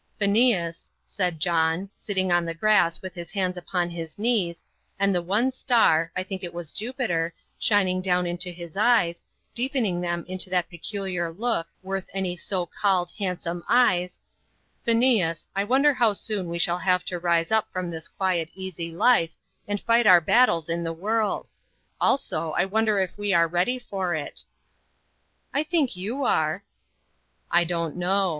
"Phineas," said John, sitting on the grass with his hands upon his knees, and the one star, I think it was Jupiter, shining down into his eyes, deepening them into that peculiar look, worth any so called "handsome eyes;" "Phineas, I wonder how soon we shall have to rise up from this quiet, easy life, and fight our battles in the world? Also, I wonder if we are ready for it?" "I think you are." "I don't know.